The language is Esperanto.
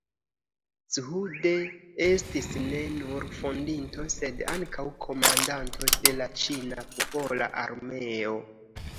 Zhu De estis ne nur fondinto, sed ankaŭ komandanto de la ĉina popola armeo.